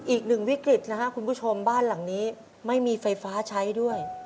อีกหนึ่งวิกฤตนะครับคุณผู้ชมบ้านหลังนี้ไม่มีไฟฟ้าใช้ด้วย